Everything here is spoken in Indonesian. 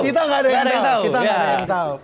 kita nggak ada yang tahu